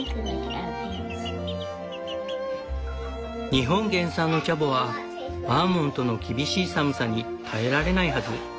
「日本原産のチャボはバーモントの厳しい寒さに耐えられないはず」。